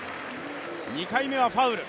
２回目はファウル。